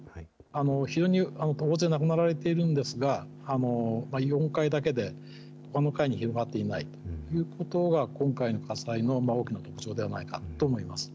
非常に大勢亡くなられているんですが、４階だけで、ほかの階に広がっていないということが、今回の火災の大きな特徴